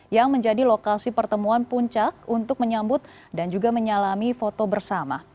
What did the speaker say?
yang menjadi lokasi pertemuan puncak untuk menyambut dan juga menyalami foto bersama